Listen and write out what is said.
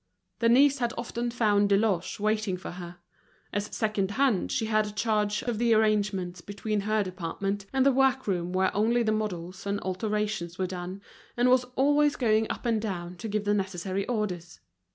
Denise had often found Deloche waiting for her. As secondhand she had charge of the arrangements between her department and the work room where only the models and alterations were done, and was always going up and down to give the necessary orders.